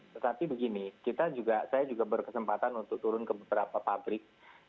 tetapi begini kita juga saya juga berkesempatan untuk turun ke beberapa perusahaan